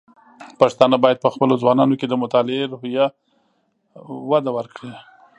پښتانه بايد په خپلو ځوانانو کې د مطالعې روحيه وده ورکړي.